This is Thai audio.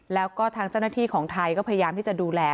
แล้วก็ทางเจ้าหน้าที่ของไทยก็พยายามที่จะดูแล